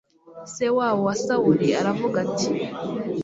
se wabo wa sawuli aravuga ati